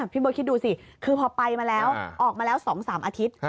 พี่เบิร์ดคิดดูสิคือพอไปมาแล้วออกมาแล้ว๒๓อาทิตย์